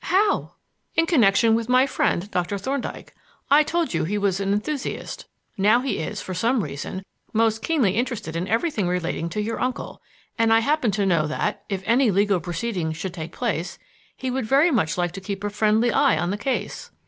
"How?" "In connection with my friend, Doctor Thorndyke. I told you he was an enthusiast. Now he is, for some reason, most keenly interested in everything relating to your uncle, and I happen to know that, if any legal proceedings should take place, he would very much like to keep a friendly eye on the case."